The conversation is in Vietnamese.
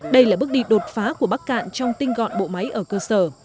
đây là bước đi đột phá của bắc cạn trong tinh gọn bộ máy ở cơ sở